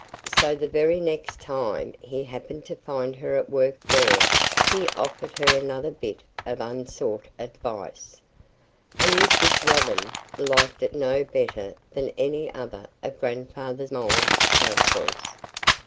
So the very next time he happened to find her at work there he offered her another bit of unsought advice. And Mrs. Robin liked it no better than any other of Grandfather Mole's counsels.